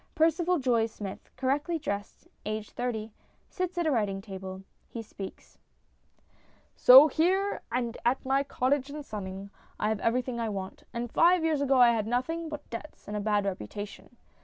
Percival Joye Smith, correctly dressed, aged thirty, sits at the writing table. He speaks : So here and at my cottage at Sunning I have everything I want ; and five years ago I 270 STORIES IN GREY had nothing but debts and a bad reputation.